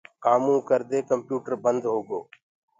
ڪآمو ڪردي ڪمپيوٽر بند هوگو۔